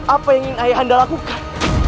apa yang ingin ayah anda lakukan